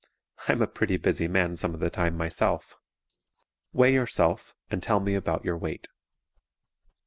I'm a pretty busy man some of the time, myself! Weigh yourself and tell me about your weight.